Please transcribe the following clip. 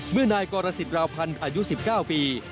เมื่อนายกรสิทราวพันธ์อายุ๑๙ปี